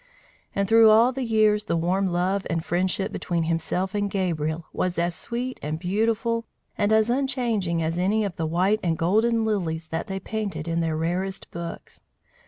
And through all the years the warm love and friendship between himself and Gabriel was as sweet and beautiful and as unchanging as any of the white and golden lilies that they painted in their rarest books.